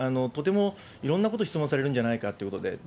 とても、いろんなこと質問されるんじゃないかということで。